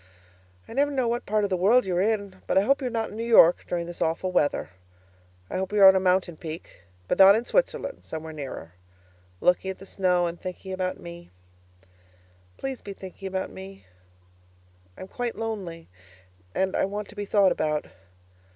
I never know what part of the world you are in, but I hope you're not in New York during this awful weather. I hope you're on a mountain peak (but not in Switzerland; somewhere nearer) looking at the snow and thinking about me. Please be thinking about me. I'm quite lonely and I want to be thought about.